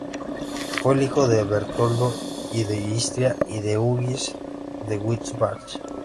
Fue el hijo de Bertoldo I de Istria y Eduviges de Wittelsbach.